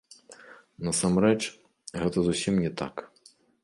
Насамрэч, гэта зусім не так.